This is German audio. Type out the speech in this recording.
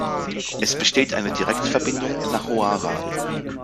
Es besteht eine Direktverbindung nach Haora.